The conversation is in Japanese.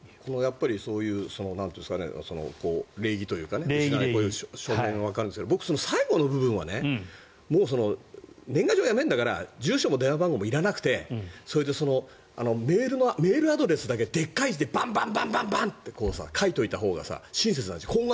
そういう礼儀というかわかるんですけど僕はその最後の部分は年賀状をやめるんだから住所も電話番号もいらなくてメールアドレスだけでっかい字でバンバンバンと書いておいたほうが親切なんじゃない？